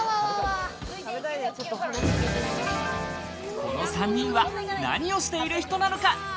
この３人は何をしている人なのか？